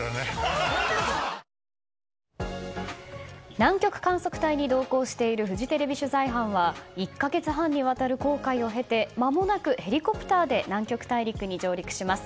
南極観測隊に同行しているフジテレビ取材班は１か月半にわたる航海を経てまもなくヘリコプターで南極大陸に上陸します。